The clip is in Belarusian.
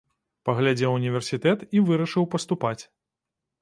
Паглядзеў універсітэт і вырашыў паступаць.